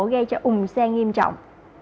gây cho ủng xe nghiêm trọng